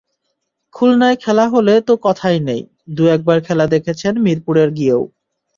খুলনায় খেলা হলে তো কথাই নেই, দু-একবার খেলা দেখেছেন মিরপুরে গিয়েও।